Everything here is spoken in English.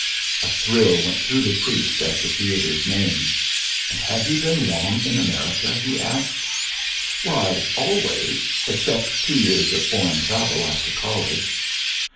A thrill went through the priest at the theater's name. "And have you been long in America?" he asked. "Why, always except two years of foreign travel after college."